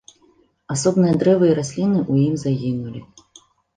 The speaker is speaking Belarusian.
Асобныя дрэвы і расліны ў ім загінулі.